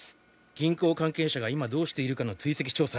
銀行関係者が今どうしているかの追跡調査。